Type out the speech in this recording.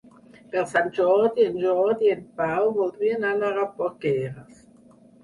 Per Sant Jordi en Jordi i en Pau voldrien anar a Porqueres.